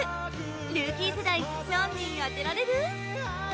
ルーキー世代何人当てられる？